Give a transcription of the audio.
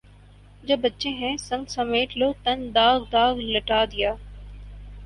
جو بچے ہیں سنگ سمیٹ لو تن داغ داغ لٹا دیا